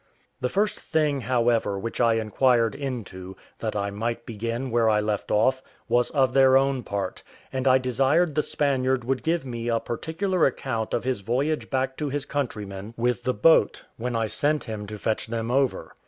The first thing, however, which I inquired into, that I might begin where I left off, was of their own part; and I desired the Spaniard would give me a particular account of his voyage back to his countrymen with the boat, when I sent him to fetch them over.